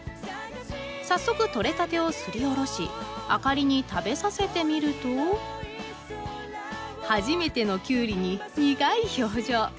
早速とれたてをすりおろし明里に食べさせてみると初めてのキュウリに苦い表情。